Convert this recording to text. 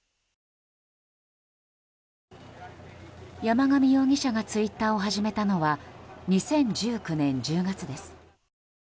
山上容疑者がツイッターを始めたのは２０１９年１０月です。